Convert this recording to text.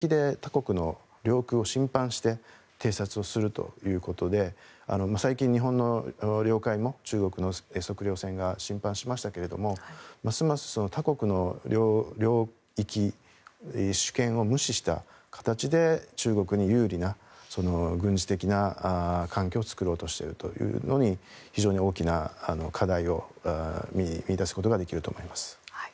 しかも問題は気球の場合は平気で他国の領空を侵犯して偵察をするということで最近、日本の領海も中国の測量船が侵犯しましたがますます他国の領域、主権を無視した形で中国に有利な軍事的な環境を作ろうとしているというのに非常に大きな課題を見いだすことができると思います。